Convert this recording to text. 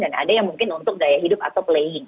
dan ada yang mungkin untuk gaya hidup atau playing